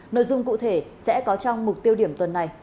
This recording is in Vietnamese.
nội dung cụ thể sẽ có trong mục tiêu điểm tuần này